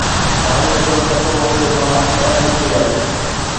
پاڻي ايترو ٿڌو هو جو مان ٻاهر نڪري آيس